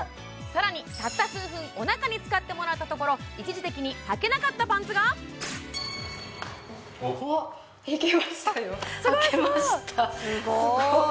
更にたった数分おなかに使ってもらったところ一時的に履けなかったパンツがあっいけましたよえー！